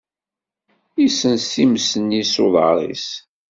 Yessens times-nni s uḍar-is.